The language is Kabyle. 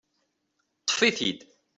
Ṭṭef-it-id.